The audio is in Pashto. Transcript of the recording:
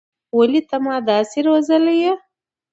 ولې ته ما داسې روزلى يې.